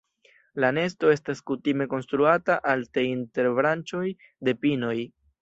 La nesto estas kutime konstruata alte inter branĉoj de pinoj.